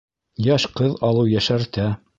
Йәш ҡыҙ алыу йәшәртә.